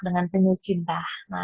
dengan penuh cinta